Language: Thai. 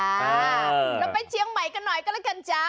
แล้วไปเชียงใหม่กันหน่อยก็ละกันจ๊ะ